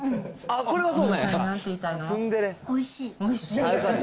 おいしい。